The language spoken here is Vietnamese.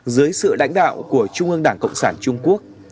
dưới sự lãnh đạo của trung ương đảng cộng sản trung quốc